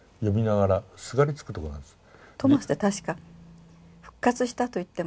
トマスって確か復活したと言っても。